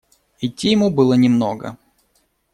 Идти ему было немного.